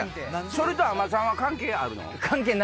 それと海女さんは関係あるの？